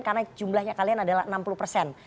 karena jumlahnya kalian adalah enam puluh persen